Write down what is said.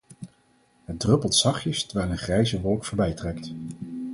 Het druppelt zachtjes, terwijl een grijze wolk voorbij trekt.